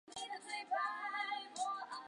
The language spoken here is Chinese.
基尔施考是德国图林根州的一个市镇。